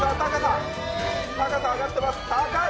高さ上がってます、高い！